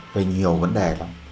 về nhiều vấn đề